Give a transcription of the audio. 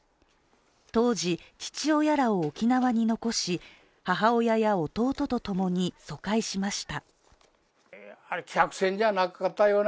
当時、父親らを沖縄に残し母親や弟とともに、疎開しました。